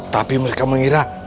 tapi mereka mengira